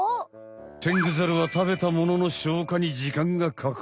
テングザルは食べたものの消化に時間がかかる。